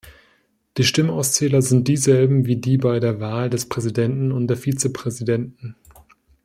Die Stimmauszähler sind dieselben wie die bei der Wahl des Präsidenten und der Vizepräsidenten.